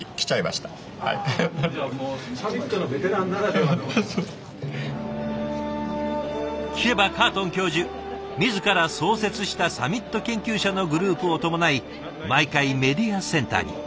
これはですね聞けばカートン教授自ら創設したサミット研究者のグループを伴い毎回メディアセンターに。